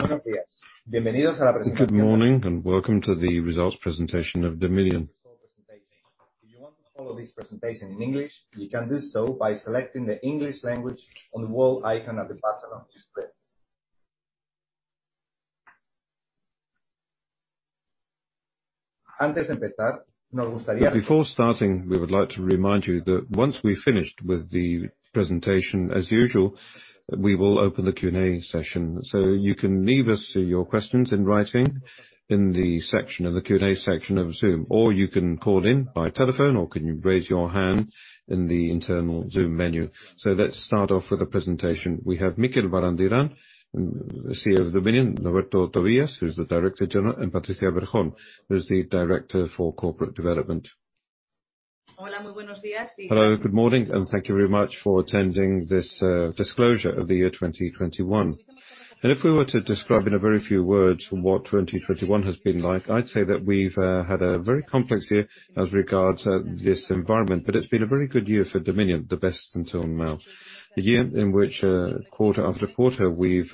Good morning, and welcome to the results presentation of Dominion. If you want to follow this presentation in English, you can do so by selecting the English language on the world icon at the bottom of your screen. Before starting, we would like to remind you that once we've finished with the presentation, as usual, we will open the Q&A session. You can leave us your questions in writing in the section, in the Q&A section of Zoom, or you can call in by telephone, or can you raise your hand in the internal Zoom menu. Let's start off with the presentation. We have Mikel Barandiaran, CEO of Dominion; Roberto Tobillas, who's the Director General, and Patricia Berjón, who's the Director for Corporate Development. Hello, good morning, and thank you very much for attending this disclosure of the year 2021. If we were to describe in a very few words what 2021 has been like, I'd say that we've had a very complex year as regards this environment, but it's been a very good year for Dominion, the best until now. A year in which, quarter after quarter, we've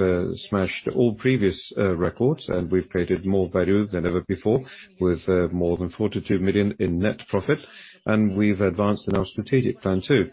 smashed all previous records, and we've created more value than ever before with more than 42 million in net profit. We've advanced in our strategic plan, too,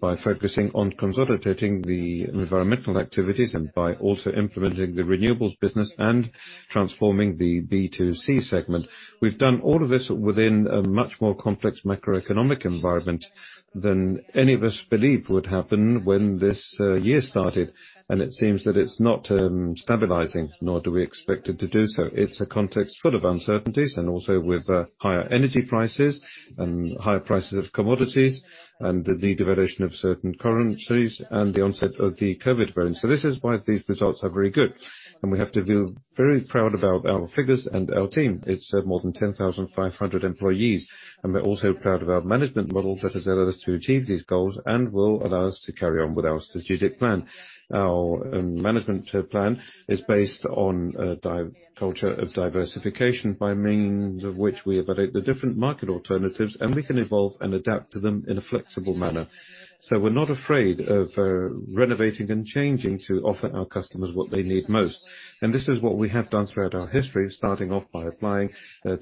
by focusing on consolidating the environmental activities and by also implementing the renewables business and transforming the B2C segment. We've done all of this within a much more complex macroeconomic environment than any of us believed would happen when this year started. It seems that it's not stabilizing, nor do we expect it to do so. It's a context full of uncertainties and also with higher energy prices and higher prices of commodities and the devaluation of certain currencies and the onset of the COVID variant. This is why these results are very good. We have to feel very proud about our figures and our team. It's more than 10,500 employees, and we're also proud of our management model that has enabled us to achieve these goals and will allow us to carry on with our strategic plan. Our management plan is based on a culture of diversification by means of which we evaluate the different market alternatives, and we can evolve and adapt to them in a flexible manner. We're not afraid of renovating and changing to offer our customers what they need most. This is what we have done throughout our history, starting off by applying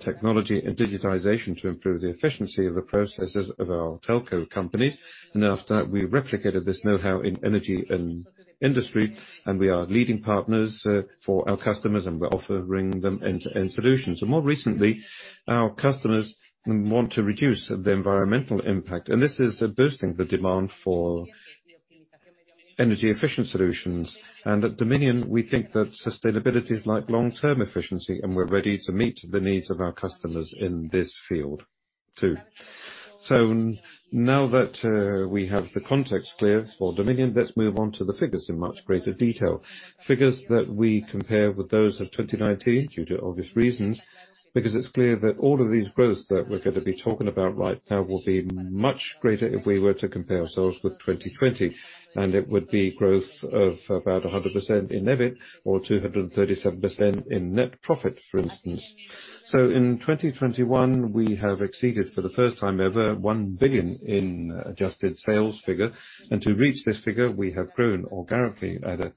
technology and digitization to improve the efficiency of the processes of our telco companies. After that, we replicated this know-how in energy and industry, and we are leading partners for our customers, and we're offering them end-to-end solutions. More recently, our customers want to reduce the environmental impact, and this is boosting the demand for energy-efficient solutions. At Dominion, we think that sustainability is like long-term efficiency, and we're ready to meet the needs of our customers in this field, too. Now that we have the context clear for Dominion, let's move on to the figures in much greater detail. Figures that we compare with those of 2019 due to obvious reasons, because it's clear that all of these growths that we're gonna be talking about right now will be much greater if we were to compare ourselves with 2020. It would be growth of about 100% in EBIT or 237% in net profit, for instance. In 2021, we have exceeded, for the first time ever, 1 billion in adjusted sales figure. To reach this figure, we have grown organically at a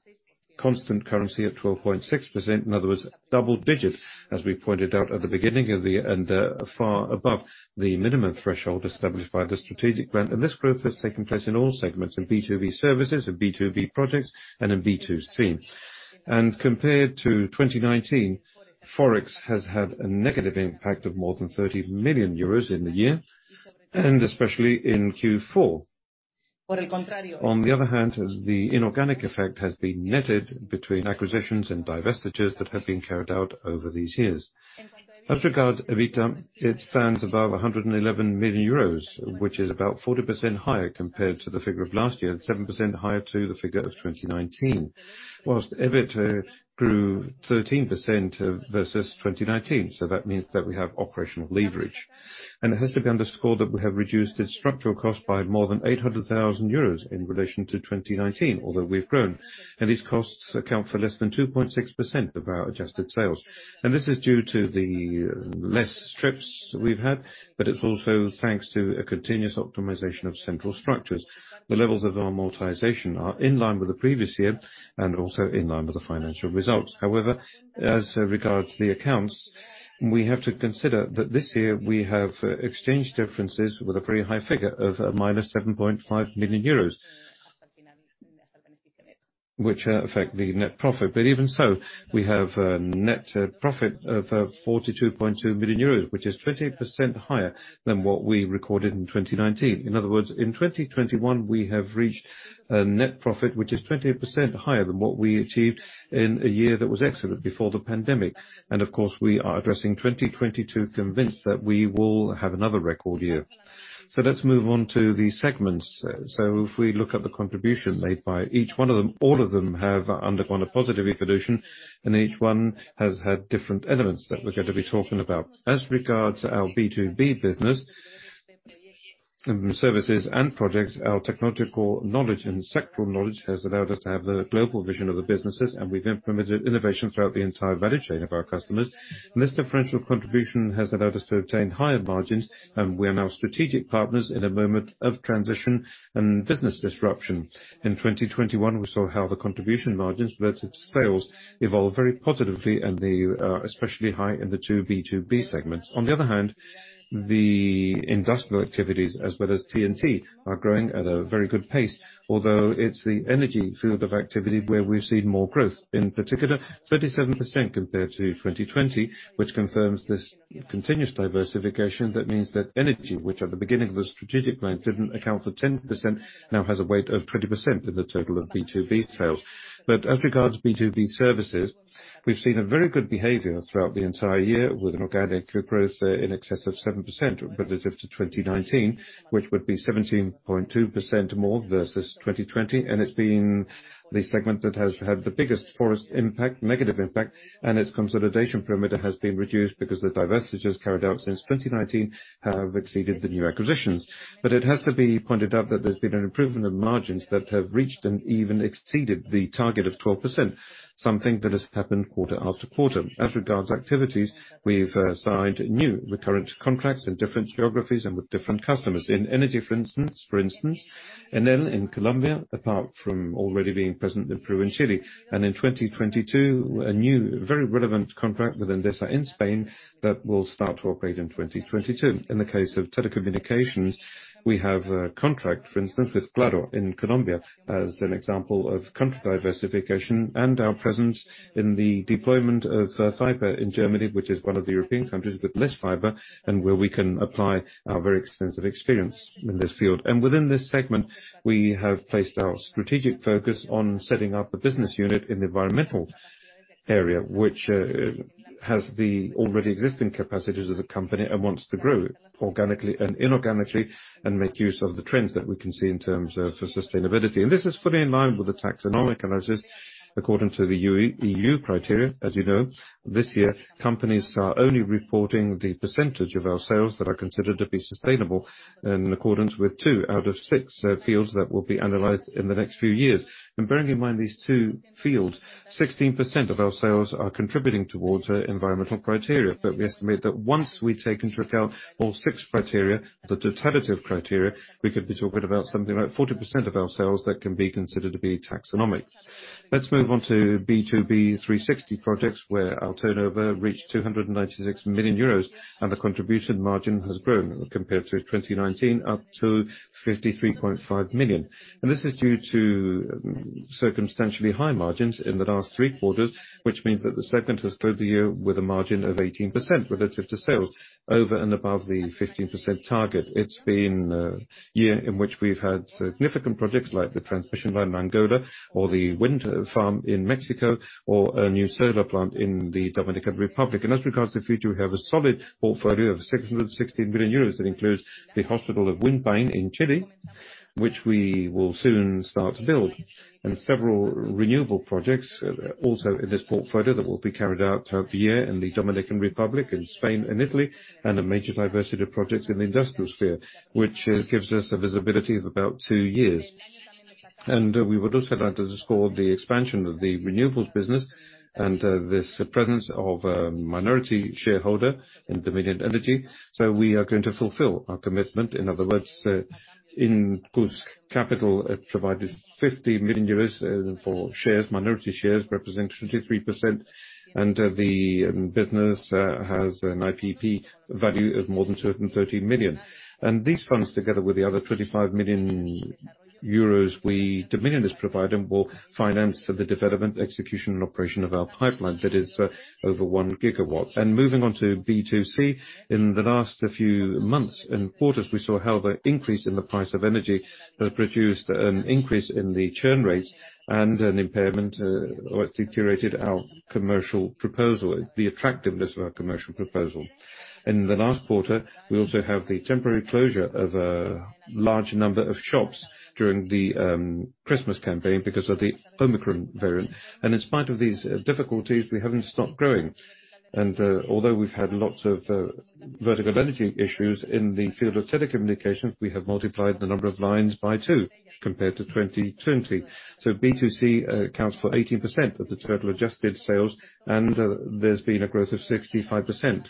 constant currency of 12.6%, in other words, double digits, as we pointed out at the beginning, and far above the minimum threshold established by the strategic plan. This growth has taken place in all segments, in B2B services, in B2B projects, and in B2C. Compared to 2019, Forex has had a negative impact of more than 30 million euros in the year and especially in Q4. On the other hand, the inorganic effect has been netted between acquisitions and divestitures that have been carried out over these years. As regards EBITDA, it stands above 111 million euros, which is about 40% higher compared to the figure of last year, and 7% higher to the figure of 2019. Whilst EBIT grew 13% versus 2019. That means that we have operational leverage. It has to be underscored that we have reduced its structural cost by more than 800,000 euros in relation to 2019, although we've grown. These costs account for less than 2.6% of our adjusted sales. This is due to the less trips we've had, but it's also thanks to a continuous optimization of central structures. The levels of amortization are in line with the previous year and also in line with the financial results. However, as regards the accounts, we have to consider that this year we have exchange differences with a very high figure of -7.5 million euros, which affect the net profit. But even so, we have a net profit of 42.2 million euros, which is 20% higher than what we recorded in 2019. In other words, in 2021, we have reached a net profit which is 20% higher than what we achieved in a year that was excellent before the pandemic. Of course, we are addressing 2022 convinced that we will have another record year. Let's move on to the segments. If we look at the contribution made by each one of them, all of them have undergone a positive evolution, and each one has had different elements that we're gonna be talking about. As regards our B2B business and services and projects, our technological knowledge and sectoral knowledge has allowed us to have the global vision of the businesses, and we've implemented innovation throughout the entire value chain of our customers. This differential contribution has allowed us to obtain higher margins, and we're now strategic partners in a moment of transition and business disruption. In 2021, we saw how the contribution margins relative to sales evolved very positively and they are especially high in the two B2B segments. On the other hand, the industrial activities, as well as T&T, are growing at a very good pace, although it's the energy field of activity where we've seen more growth, in particular 37% compared to 2020, which confirms this continuous diversification. That means that energy, which at the beginning of the strategic plan didn't account for 10%, now has a weight of 20% in the total of B2B sales. As regards B2B services, we've seen a very good behavior throughout the entire year with an organic growth rate in excess of 7% relative to 2019, which would be 17.2% more versus 2020. It's been the segment that has had the biggest forex impact, negative impact, and its consolidation perimeter has been reduced because the divestitures carried out since 2019 have exceeded the new acquisitions. It has to be pointed out that there's been an improvement of margins that have reached and even exceeded the target of 12%, something that has happened quarter after quarter. As regards activities, we've signed new recurrent contracts in different geographies and with different customers. In energy, for instance, and then in Colombia, apart from already being present in Peru and Chile. In 2022, a new very relevant contract with Endesa in Spain that will start to operate in 2022. In the case of telecommunications, we have a contract, for instance, with Claro in Colombia as an example of country diversification and our presence in the deployment of fiber in Germany, which is one of the European countries with less fiber, and where we can apply our very extensive experience in this field. Within this segment, we have placed our strategic focus on setting up a business unit in the environmental area, which has the already existing capacities of the company and wants to grow organically and inorganically and make use of the trends that we can see in terms of sustainability. This is fully in line with the taxonomy analysis according to the EU criteria. As you know, this year, companies are only reporting the percentage of our sales that are considered to be sustainable in accordance with two out of six fields that will be analyzed in the next few years. Bearing in mind these two fields, 16% of our sales are contributing towards environmental criteria. We estimate that once we take into account all six criteria, the totality of criteria, we could be talking about something like 40% of our sales that can be considered to be taxonomy. Let's move on to B2B 360 projects, where our turnover reached 296 million euros, and the contribution margin has grown compared to 2019, up to 53.5 million. This is due to circumstantially high margins in the last three quarters, which means that the segment has closed the year with a margin of 18% relative to sales over and above the 15% target. It's been a year in which we've had significant projects like the transmission line in Angola or the wind farm in Mexico or a new solar plant in the Dominican Republic. As regards the future, we have a solid portfolio of 660 million euros that includes the Hospital of Buin-Paine in Chile, which we will soon start to build, and several renewable projects also in this portfolio that will be carried out throughout the year in the Dominican Republic and Spain and Italy, and a major diversity of projects in the industrial sphere, which gives us a visibility of about two years. We would also like to underscore the expansion of the renewables business and this presence of a minority shareholder in Dominion Energy. We are going to fulfill our commitment. In other words, in whose capital it provided 50 million euros for shares, minority shares representing 23%. The business has an IPP value of more than 230 million. These funds, together with the other 25 million euros Dominion is providing, will finance the development, execution, and operation of our pipeline that is over 1 GW. Moving on to B2C, in the last few months and quarters, we saw how the increase in the price of energy has produced an increase in the churn rate and an impairment, or it deteriorated our commercial proposal, the attractiveness of our commercial proposal. In the last quarter, we also have the temporary closure of a large number of shops during the Christmas campaign because of the Omicron variant. In spite of these difficulties, we haven't stopped growing. Although we've had lots of vertical energy issues in the field of telecommunications, we have multiplied the number of lines by two compared to 2020. B2C accounts for 18% of the total adjusted sales, and there's been a growth of 65%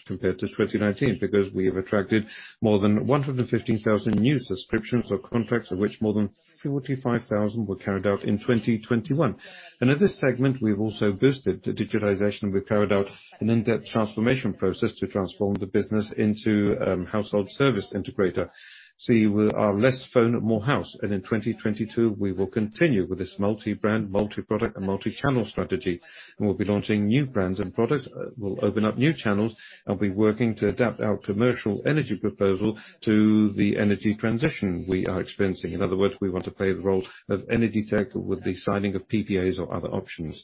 compared to 2019 because we have attracted more than 115,000 new subscriptions or contracts, of which more than 45,000 were carried out in 2021. In this segment, we've also boosted the digitalization. We've carried out an in-depth transformation process to transform the business into household service integrator. See, we are less phone, more house. In 2022, we will continue with this multi-brand, multi-product, and multi-channel strategy. We'll be launching new brands and products. We'll open up new channels and be working to adapt our commercial energy proposal to the energy transition we are experiencing. In other words, we want to play the role of energy tech with the signing of PPAs or other options.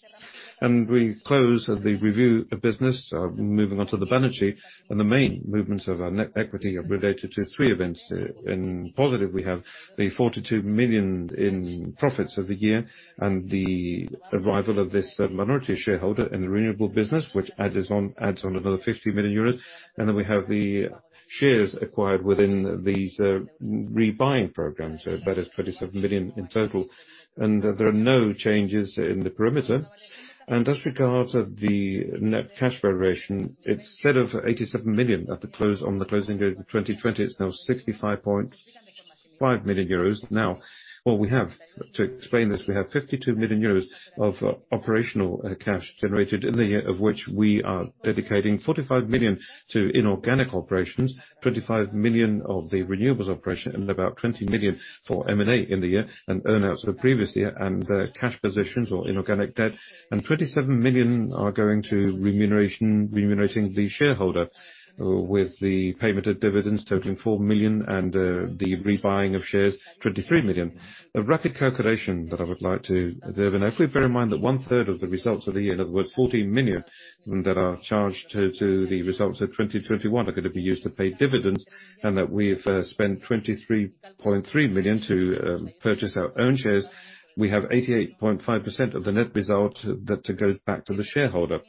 We close the review of business, moving on to the balance sheet, and the main movements of our net equity are related to three events. In positive, we have the 42 million in profits of the year and the arrival of this minority shareholder in the renewable business, which adds on another 50 million euros. Then we have the shares acquired within these buyback programs, that is 37 million in total. There are no changes in the perimeter. As regards the net cash variation, instead of 87 million on the closing date of 2020, it's now 65.5 million euros. Now, what we have, to explain this, we have 52 million euros of operational cash generated in the year, of which we are dedicating 45 million to inorganic operations, 25 million of the renewables operation, and about 20 million for M&A in the year and earn-outs for the previous year and the cash positions or inorganic debt. Twenty-seven million are going to remuneration, remunerating the shareholder with the payment of dividends totaling 4 million and the rebuying of shares, 23 million. A rapid calculation that I would like to derive, and if we bear in mind that one third of the results of the year, in other words, 14 million that are charged to the results of 2021 are going to be used to pay dividends, and that we've spent 23.3 million to purchase our own shares. We have 88.5% of the net result that goes back to the shareholder.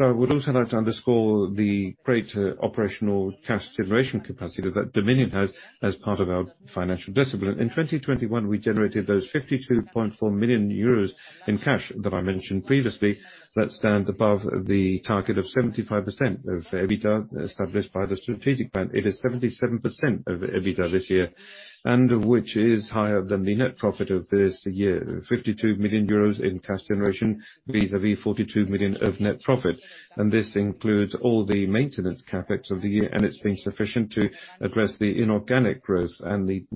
I would also like to underscore the greater operational cash generation capacity that Dominion has as part of our financial discipline. In 2021, we generated 52.4 million euros in cash that I mentioned previously that stand above the target of 75% of EBITDA established by the strategic plan. It is 77% of EBITDA this year, which is higher than the net profit of this year. 52 million euros in cash generation vis-à-vis 42 million of net profit. This includes all the maintenance CapEx of the year, and it's been sufficient to address the inorganic growth and the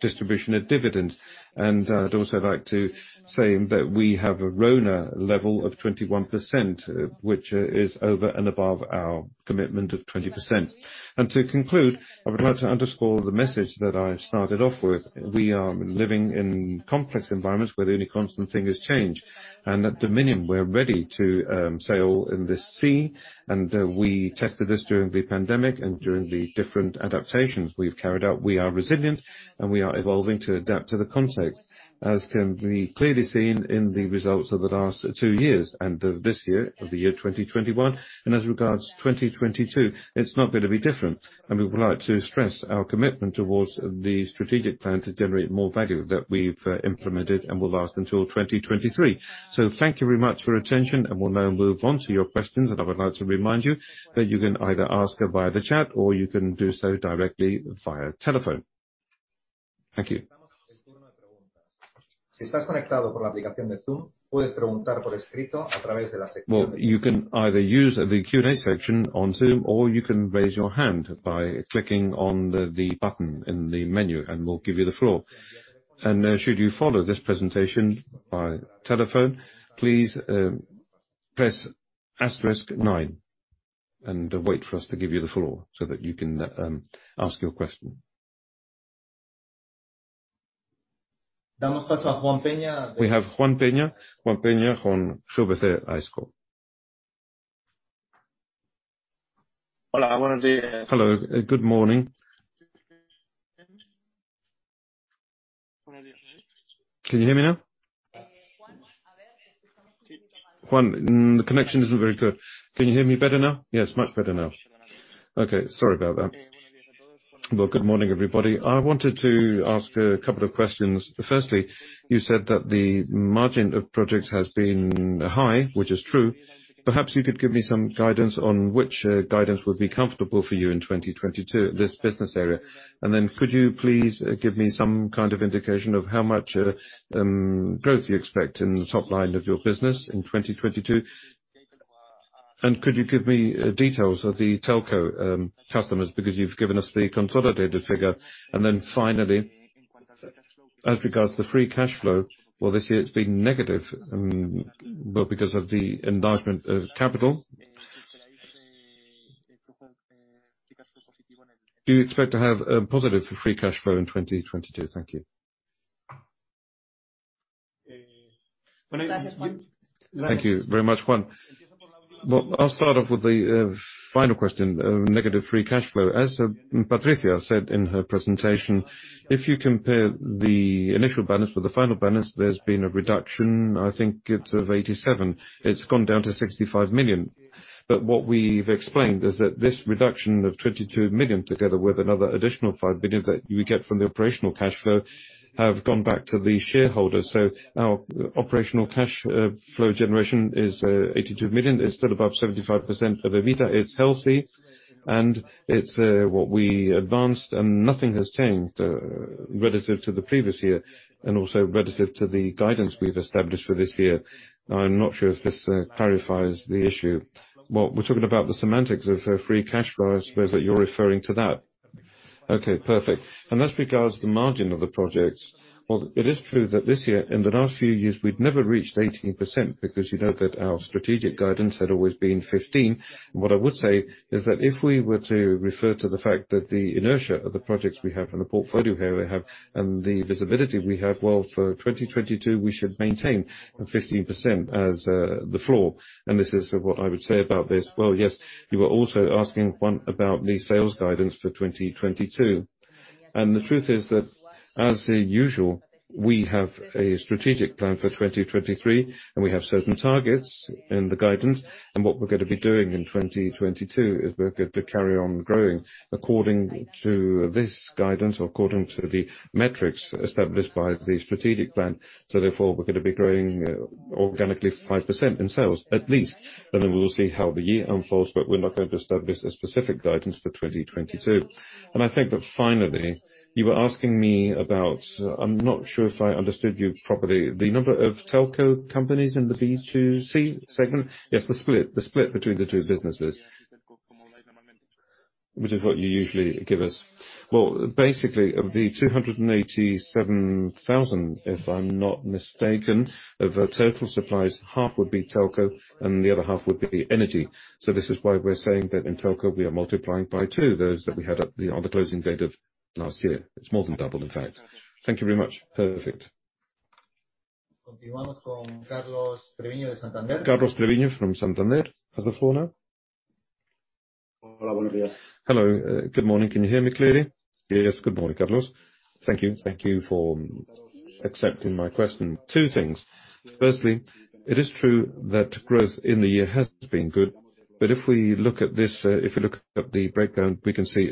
distribution of dividends. I'd also like to say that we have a RONA level of 21%, which is over and above our commitment of 20%. To conclude, I would like to underscore the message that I started off with. We are living in complex environments where the only constant thing is change. At Dominion, we're ready to sail in this sea, and we tested this during the pandemic and during the different adaptations we've carried out. We are resilient, and we are evolving to adapt to the context, as can be clearly seen in the results of the last two years and of this year, of the year 2021. As regards 2022, it's not gonna be different. We would like to stress our commitment towards the strategic plan to generate more value that we've implemented and will last until 2023. Thank you very much for your attention, and we'll now move on to your questions. I would like to remind you that you can either ask via the chat or you can do so directly via telephone. Thank you. You can either use the Q&A section on Zoom, or you can raise your hand by clicking on the button in the menu, and we'll give you the floor. Should you follow this presentation by telephone, please, press asterisk nine and wait for us to give you the floor so that you can ask your question. We have Juan Peña from GVC Gaesco. Hello. Good morning. Can you hear me now? Juan, the connection isn't very good. Can you hear me better now? Yes, much better now. Okay. Sorry about that. Well, good morning, everybody. I wanted to ask a couple of questions. Firstly, you said that the margin of projects has been high, which is true. Perhaps you could give me some guidance on which guidance would be comfortable for you in 2022, this business area. Could you please give me some kind of indication of how much growth you expect in the top line of your business in 2022? Could you give me details of the telco customers, because you've given us the consolidated figure. Finally, as regards to the free cash flow, this year it's been negative, well, because of the enlargement of capital. Do you expect to have a positive free cash flow in 2022? Thank you. Thank you very much, Juan. Well, I'll start off with the final question, negative free cash flow. As Patricia said in her presentation, if you compare the initial balance with the final balance, there's been a reduction. I think it's of 87. It's gone down to 65 million. What we've explained is that this reduction of 22 million, together with another additional 5 million that we get from the operational cash flow, have gone back to the shareholder. Our operational cash flow generation is 82 million. It's still above 75% of EBITDA. It's healthy, and it's what we advanced, and nothing has changed relative to the previous year and also relative to the guidance we've established for this year. I'm not sure if this clarifies the issue. Well, we're talking about the semantics of free cash flow. I suppose that you're referring to that. Okay, perfect. As regards to the margin of the projects, well, it is true that this year, in the last few years, we'd never reached 18% because you know that our strategic guidance had always been 15%. What I would say is that if we were to refer to the fact that the inertia of the projects we have and the portfolio here we have and the visibility we have, well, for 2022, we should maintain 15% as the floor. This is what I would say about this. Well, yes. You were also asking, Juan, about the sales guidance for 2022. The truth is that, as usual, we have a strategic plan for 2023, and we have certain targets in the guidance. What we're gonna be doing in 2022 is we're going to carry on growing according to this guidance or according to the metrics established by the strategic plan. Therefore, we're gonna be growing organically 5% in sales, at least. Then we will see how the year unfolds, but we're not going to establish a specific guidance for 2022. I think that finally, you were asking me about, I'm not sure if I understood you properly, the number of telco companies in the B2C segment. Yes, the split. The split between the two businesses, which is what you usually give us. Well, basically, of the 287,000, if I'm not mistaken, of our total supplies, half would be telco and the other half would be energy. This is why we're saying that in telco, we are multiplying by two, those that we had at the, on the closing date of last year. It's more than double, in fact. Thank you very much. Perfect. Carlos Treviño from Santander has the floor now. Hello. Good morning. Can you hear me clearly? Yes. Good morning, Carlos. Thank you. Thank you for accepting my question. Two things. Firstly, it is true that growth in the year has been good, but if we look at this, if you look at the breakdown, we can see,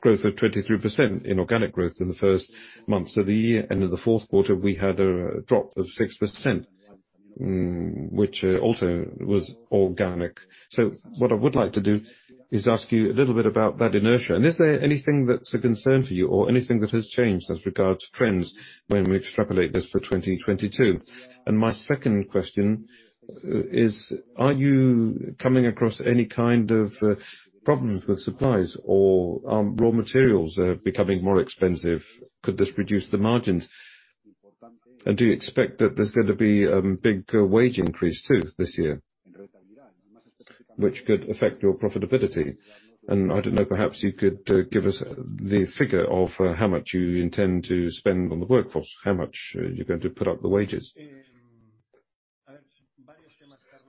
growth of 23% in organic growth in the first months of the year, and in the fourth quarter, we had a drop of 6%, which, also was organic. What I would like to do is ask you a little bit about that inertia. Is there anything that's a concern for you or anything that has changed as regards to trends when we extrapolate this for 2022? My second question is, are you coming across any kind of problems with supplies or are raw materials becoming more expensive? Could this reduce the margins? Do you expect that there's gonna be big wage increase to this year, which could affect your profitability? I don't know, perhaps you could give us the figure of how much you intend to spend on the workforce, how much you're going to put up the wages.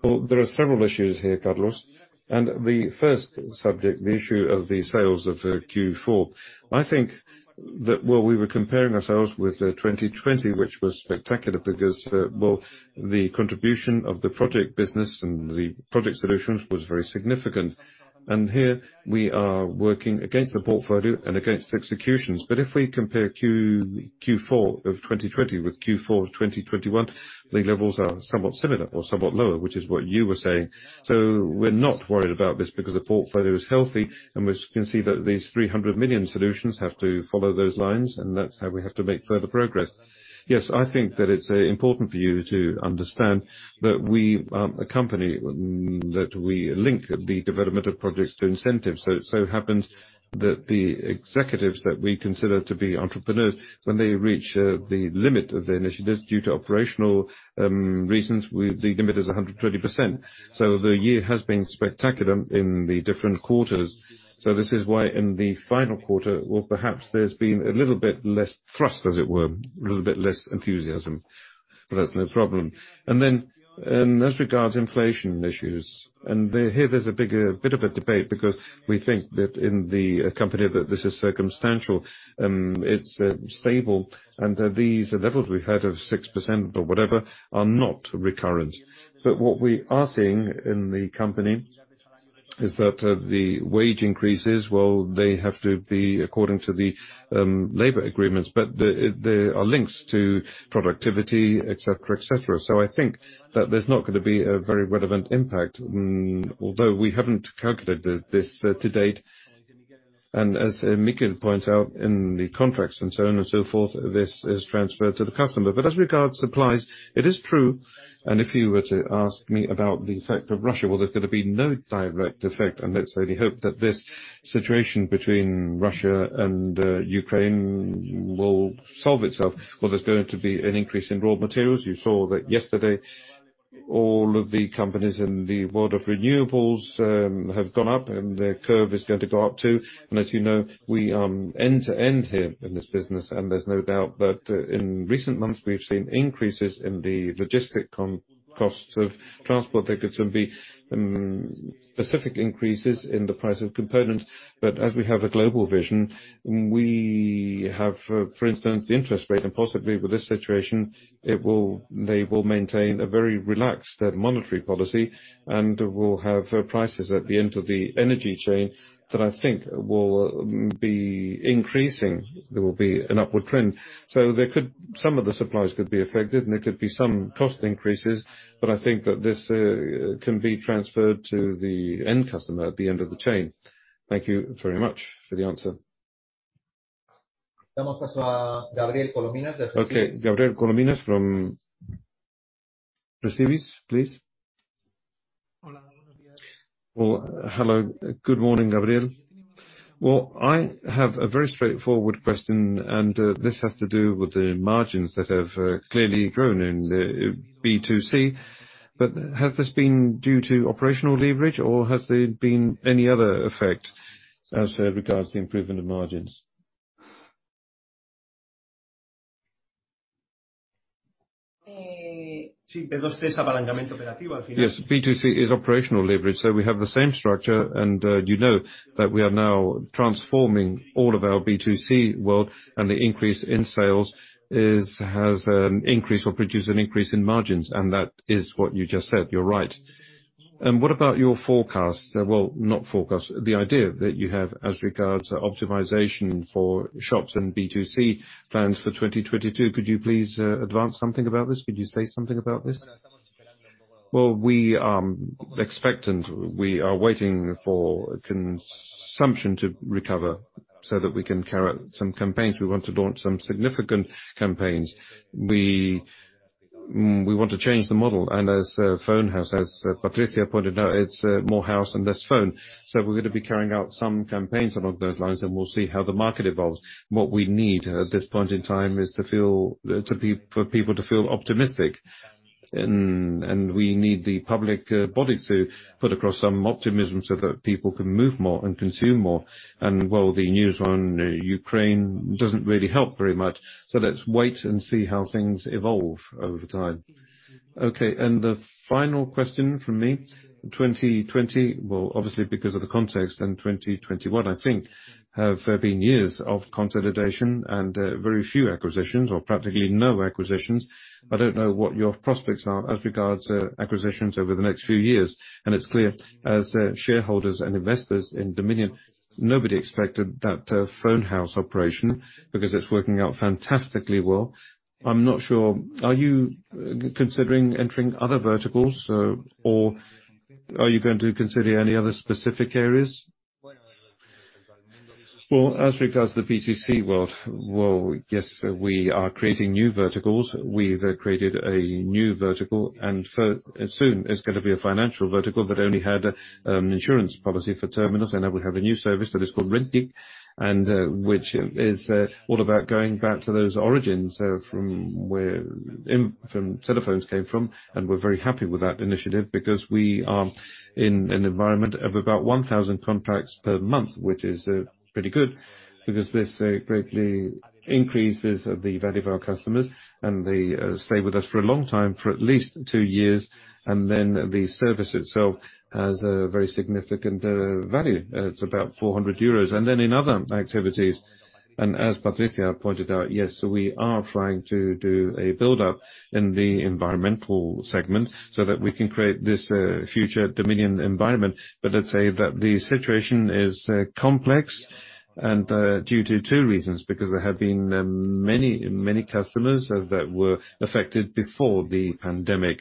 Well, there are several issues here, Carlos, and the first subject, the issue of the sales of Q4. I think that while we were comparing ourselves with 2020, which was spectacular because well, the contribution of the project business and the product solutions was very significant. Here, we are working against the portfolio and against executions. If we compare Q4 of 2020 with Q4 of 2021, the levels are somewhat similar or somewhat lower, which is what you were saying. We're not worried about this because the portfolio is healthy, and we can see that these 300 million solutions have to follow those lines, and that's how we have to make further progress. Yes, I think that it's important for you to understand that we accompany that we link the development of projects to incentives. It so happens that the executives that we consider to be entrepreneurs, when they reach the limit of the initiatives due to operational reasons, the limit is 130%. The year has been spectacular in the different quarters. This is why in the final quarter, perhaps there's been a little bit less thrust, as it were, a little bit less enthusiasm, but that's no problem. As regards to inflation issues, here, there's a bit of a debate because we think that in the company that this is circumstantial, it's stable and that these levels we had of 6% or whatever are not recurrent. What we are seeing in the company is that the wage increases, well, they have to be according to the labor agreements, but there are links to productivity, et cetera, et cetera. I think that there's not gonna be a very relevant impact, although we haven't calculated this to date. As Mikel points out in the contracts and so on and so forth, this is transferred to the customer. As regards supplies, it is true, and if you were to ask me about the effect of Russia, well, there's gonna be no direct effect, and let's really hope that this situation between Russia and Ukraine will solve itself. Well, there's going to be an increase in raw materials. You saw that yesterday, all of the companies in the world of renewables have gone up, and their curve is going to go up too. As you know, we end to end here in this business, and there's no doubt but in recent months, we have seen increases in the logistic costs of transport. There could be some specific increases in the price of components. But as we have a global vision, we have, for instance, the interest rate and possibly with this situation, they will maintain a very relaxed monetary policy and we'll have prices at the end of the energy chain that I think will be increasing. There will be an upward trend. Some of the suppliers could be affected, and there could be some cost increases, but I think that this can be transferred to the end customer at the end of the chain. Thank you very much for the answer. Okay. Gabriel Colominas from GESIURIS, please. Well, hello. Good morning, Gabriel. Well, I have a very straightforward question, and this has to do with the margins that have clearly grown in B2C. Has this been due to operational leverage, or has there been any other effect as regards the improvement of margins? Yes, B2C is operational leverage, so we have the same structure. You know that we are now transforming all of our B2C world, and the increase in sales has increased or produced an increase in margins, and that is what you just said. You're right. What about your forecast? Well, not forecast. The idea that you have as regards to optimization for shops and B2C plans for 2022. Could you please advance something about this? Could you say something about this? Well, we are expectant. We are waiting for consumption to recover so that we can carry out some campaigns. We want to launch some significant campaigns. We want to change the model, and as Phone House, as Patricia pointed out, it's more house and less phone. So we're gonna be carrying out some campaigns along those lines, and we'll see how the market evolves. What we need at this point in time is for people to feel optimistic, and we need the public bodies to put across some optimism so that people can move more and consume more. Well, the news on Ukraine doesn't really help very much. Let's wait and see how things evolve over time. Okay, the final question from me. 2020, well, obviously, because of the context, and 2021, I think, have been years of consolidation and very few acquisitions or practically no acquisitions. I don't know what your prospects are as regards to acquisitions over the next few years, and it's clear, as shareholders and investors in Dominion, nobody expected that Phone House operation because it's working out fantastically well. I'm not sure, are you considering entering other verticals, or are you going to consider any other specific areas? Well, as regards to the B2C world, well, yes, we are creating new verticals. We've created a new vertical, and soon it's gonna be a financial vertical that only had insurance policy for terminals, and now we have a new service that is called Rentik, which is all about going back to those origins from where cell phones came from, and we're very happy with that initiative because we are in an environment of about 1,000 contracts per month, which is pretty good because this greatly increases the value of our customers, and they stay with us for a long time, for at least two years. Then the service itself has a very significant value. It's about 400 euros. In other activities, and as Patricia pointed out, yes, we are trying to do a build-up in the environmental segment so that we can create this future Dominion Environment. Let's say that the situation is complex and due to two reasons, because there have been many customers that were affected before the pandemic.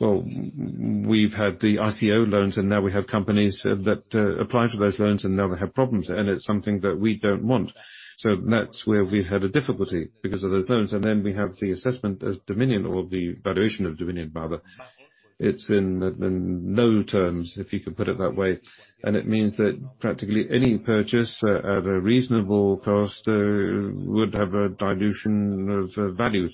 Well, we've had the ICO loans, and now we have companies that apply for those loans, and now they have problems, and it's something that we don't want. That's where we've had a difficulty because of those loans. We have the assessment of Dominion or the valuation of Dominion, rather. It's in low terms if you could put it that way, and it means that practically any purchase at a reasonable cost would have a dilution of value.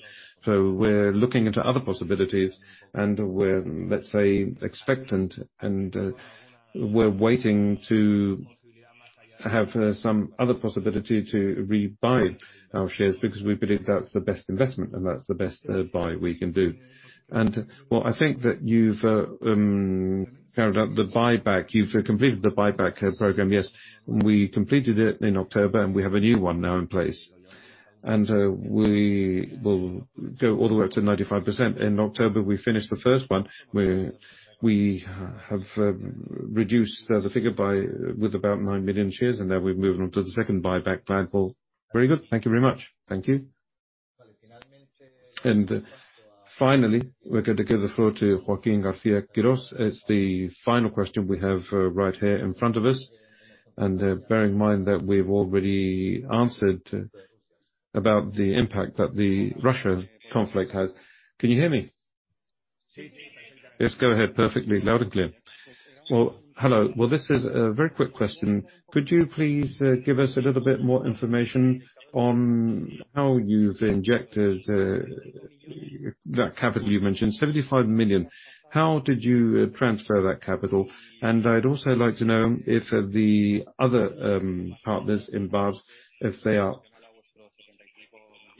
We're looking into other possibilities, and we're, let's say, expectant, and we're waiting to have some other possibility to rebuy our shares because we believe that's the best investment and that's the best buy we can do. Well, I think that you've carried out the buyback. You've completed the buyback program. Yes. We completed it in October, and we have a new one now in place. We will go all the way up to 95%. In October, we finished the first one, where we have reduced the figure with about 9 million shares, and now we're moving on to the second buyback plan. Well, very good. Thank you very much. Thank you. Finally, we're going to give the floor to Joaquín García-Quirós. It's the final question we have right here in front of us. Bear in mind that we've already answered about the impact that the Russia conflict has. Can you hear me? Yes, go ahead. Perfectly loud and clear. Well, hello. Well, this is a very quick question. Could you please give us a little bit more information on how you've injected that capital you mentioned, 75 million. How did you transfer that capital? And I'd also like to know if the other partners in BAS, if they are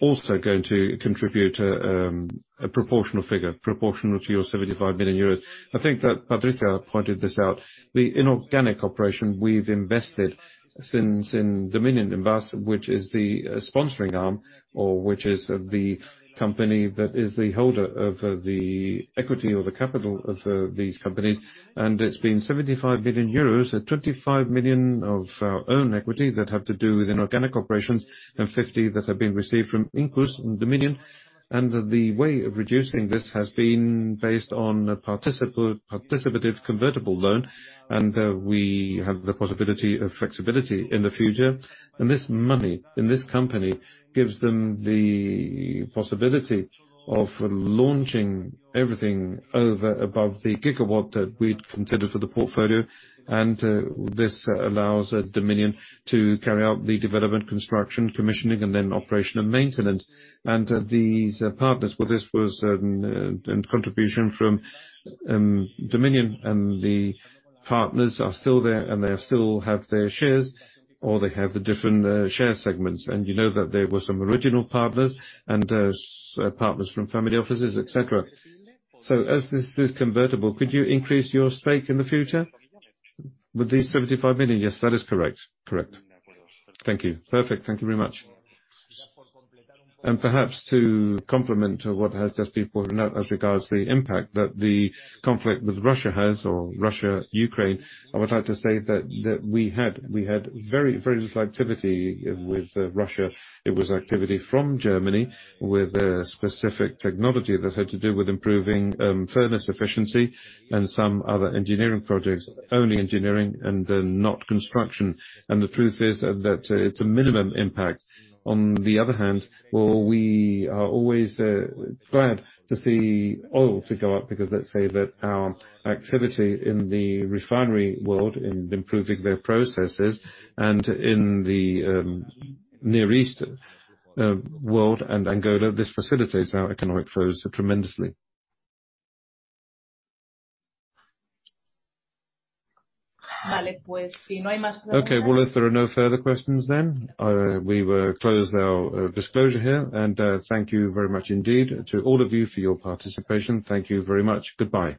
also going to contribute a proportional figure, proportional to your 75 million euros. I think that Patricia pointed this out. The inorganic operation we've invested since in Dominion and BAS, which is the sponsoring arm or which is the company that is the holder of the equity or the capital of these companies, and it's been 75 million euros of 25 million of our own equity that have to do with inorganic operations and 50 that have been received from Incus and Dominion. The way of reducing this has been based on a participative convertible loan, and we have the possibility of flexibility in the future. This money in this company gives them the possibility of launching everything over and above the gigawatt that we'd considered for the portfolio. This allows Dominion to carry out the development, construction, commissioning, and then operation and maintenance. These partners, well, this was contribution from Dominion, and the partners are still there, and they still have their shares, or they have the different share segments. You know that there were some original partners and partners from family offices, et cetera. As this is convertible, could you increase your stake in the future? With these 75 million? Yes, that is correct. Correct. Thank you. Perfect. Thank you very much. Perhaps to complement what has just been pointed out as regards to the impact that the conflict with Russia has or Russia, Ukraine, I would like to say that we had very little activity with Russia. It was activity from Germany with a specific technology that had to do with improving furnace efficiency and some other engineering projects, only engineering and not construction. The truth is that it's a minimum impact. On the other hand, well, we are always glad to see oil to go up because let's say that our activity in the refinery world, in improving their processes and in the Near East world and Angola, this facilitates our economic flows tremendously. Okay. Well, if there are no further questions then, we will close our disclosure here. Thank you very much indeed to all of you for your participation. Thank you very much. Goodbye.